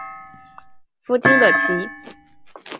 夫金乐琦。